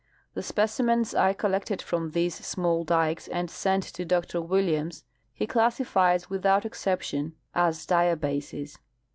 The specimens I collected from these small dikes and sent to Dr Williams he classifies without exception as diabases.